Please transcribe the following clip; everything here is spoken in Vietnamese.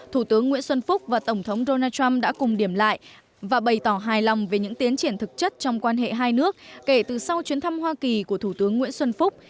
thủ tướng nguyễn xuân phúc và tổng thống donald trump đã cùng điểm lại và bày tỏ hài lòng về những tiến triển thực chất trong quan hệ hai nước kể từ sau chuyến thăm hoa kỳ của thủ tướng nguyễn xuân phúc